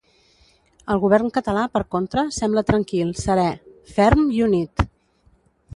El govern català, per contra, sembla tranquil, serè, ferm i unit.